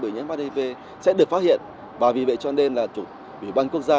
đổi nhiễm hiv sẽ được phát hiện và vì vậy cho nên là chủ tịch quân quốc gia